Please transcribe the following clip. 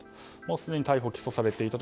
すでに逮捕・起訴されていたと。